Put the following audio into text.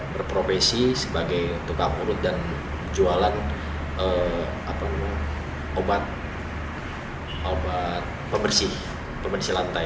berprofesi sebagai tukang urut dan jualan obat pembersih pembersih lantai